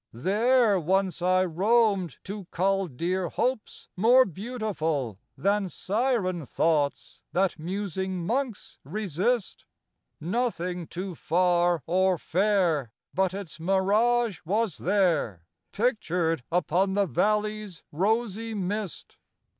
There once I roamed to cull Dear hopes more beautiful Than siren thoughts that musing monks resist ; Nothing too far or fair But its mirage was there Pictured upon the valley's rosy mist.